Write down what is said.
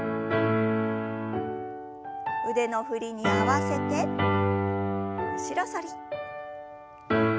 腕の振りに合わせて後ろ反り。